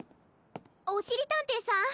おしりたんていさん